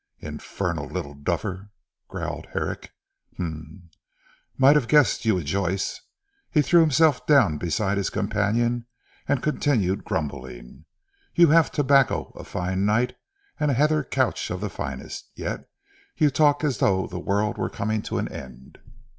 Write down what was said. "Infernal little duffer," growled Herrick. "Huh! Might have guessed you would Joyce." He threw himself down beside his companion and continued grumbling. "You have tobacco, a fine night, and a heather couch of the finest, yet you talk as though the world were coming to an end."